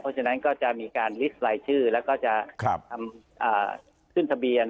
เพราะฉะนั้นก็จะมีการลิสต์รายชื่อแล้วก็จะทำขึ้นทะเบียน